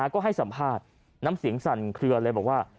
ก็ให้สัมภาษณ์น้ำเสียงสั่นเคลือเลยบอกว่า